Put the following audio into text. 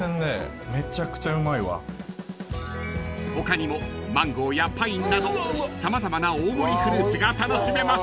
［他にもマンゴーやパインなど様々な大盛りフルーツが楽しめます］